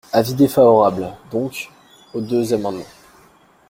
Avis défavorable, donc, aux deux amendements.